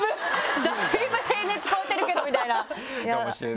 だいぶ平熱超えてるけどみたいな。